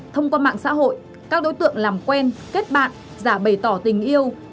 thông qua mạng xã hội các đối tượng làm quen kết bạn và bày tỏ tình yêu